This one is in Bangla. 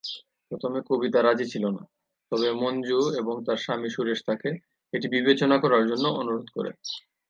প্রথমে কবিতা রাজী ছিলনা, তবে মঞ্জু এবং তার স্বামী সুরেশ তাকে এটি বিবেচনা করার জন্য অনুরোধ করে।